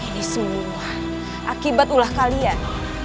ini semua akibat ulah kalian